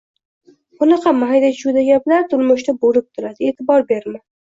Bunaqa mayda-chuyda gaplar turmushda bo`lib turadi, e`tibor berma